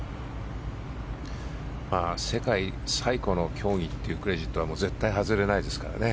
世界最古の競技というクレジットは絶対外れないですからね。